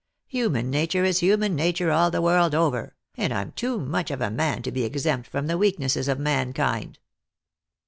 Human nature is human nature all the world over, and I'm too much of a man to be exempt from the weaknesses of mankind."